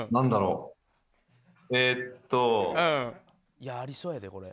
「いやありそうやでこれ」